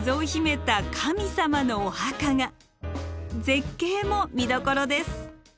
絶景も見どころです。